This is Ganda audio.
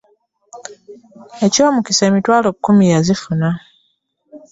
Eky’omukisa emitwalo kkumi yazifuna